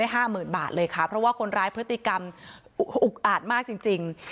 ห้าหมื่นบาทเลยค่ะเพราะว่าคนร้ายพฤติกรรมอุกอาจมากจริงจริง